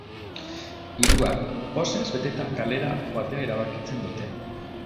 Hiruak, pozez beteta kalera joatea erabakitzen dute.